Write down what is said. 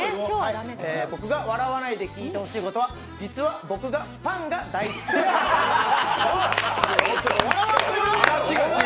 僕が笑わないで聞いてほしいことは実は僕がパンが大好きということなんです。